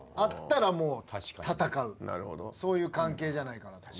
そういう関係じゃないかなと。